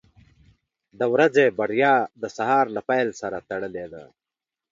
• د ورځې بریا د سهار له پیل سره تړلې ده.